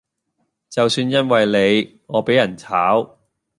就算因為你我比人炒